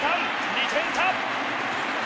２点差。